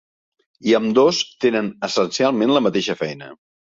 I ambdós tenen essencialment la mateixa feina.